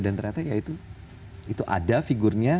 dan ternyata ya itu ada figurnya